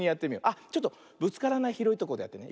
あっちょっとぶつからないひろいとこでやってね。